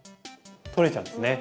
取れちゃうんですね。